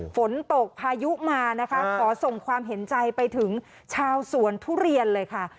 ฝนตกพายุมานะคะขอส่งความเห็นใจไปถึงชาวสวนทุเรียนเลยค่ะ